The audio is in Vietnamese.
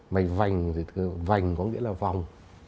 mạch vành thì là vành có nghĩa là vòng